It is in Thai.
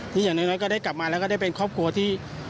อย่างน้อยก็ได้กลับมาแล้วก็ได้เป็นครอบครัวที่